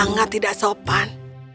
itu sangat tidak sopan